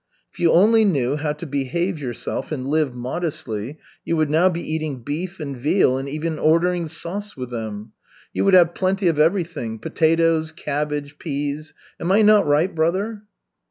If you only knew how to behave yourself and live modestly, you would now be eating beef and veal and even ordering sauce with them. You would have plenty of everything, potatoes, cabbage, peas. Am I not right, brother?"